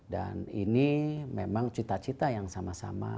dan ini memang cita cita yang sama sama